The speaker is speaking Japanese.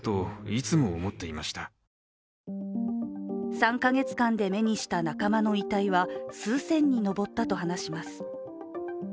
３か月間で目にした仲間の遺体は数千に上ったと話します。